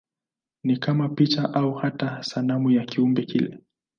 Ni kama picha au hata sanamu ya kiumbe kile.